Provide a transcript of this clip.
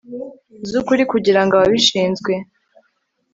z'ukuri kugirango ababishinzwe